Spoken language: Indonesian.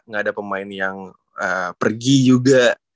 gak ada pemain yang pergi juga